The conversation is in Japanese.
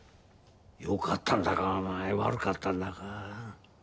よかったんだか悪かったんだか。